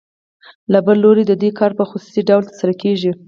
له بل لوري د دوی کار په خصوصي ډول ترسره کېږي